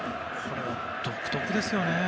独特ですよね。